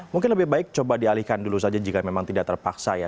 mungkin lebih baik coba dialihkan dulu saja jika memang tidak terpaksa ya